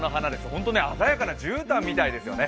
本当に鮮やかなじゅうたんみたいですよね